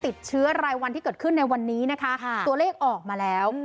ติดเชื้อรายวันที่เกิดขึ้นในวันนี้นะคะตัวเลขออกมาแล้ว